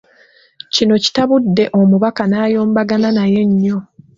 Kino kitabudde Omubaka n'ayombagana naye nyo.